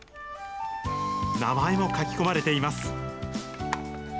名前も書き込まれています。